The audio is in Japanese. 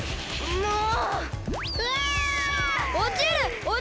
もう！